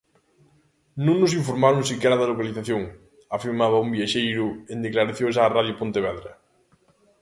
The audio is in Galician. "Non nos informaron sequera da localización", afirmaba un viaxeiro en declaracións a Radio Pontevedra.